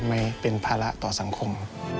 ไม่เป็นภาระต่อสังคม